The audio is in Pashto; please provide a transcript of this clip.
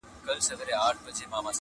• کله کښته کله پورته کله شاته -